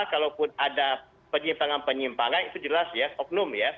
kalau pun ada penyimpanan penyimpanan itu jelas ya oknum ya